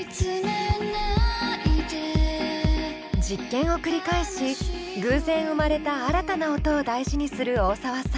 実験を繰り返し偶然生まれた新たな音を大事にする大沢さん。